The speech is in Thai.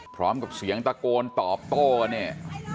พร้อมกับเสียงตะโกนตอบโต้กันเนี่ย